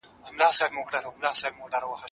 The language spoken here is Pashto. هغه اوس د خپل هېواد له پاره قرباني ورکوي.